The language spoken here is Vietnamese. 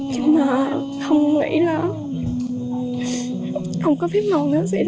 nhưng mà không nghĩ là không có biết mong nó sẽ ra với các anh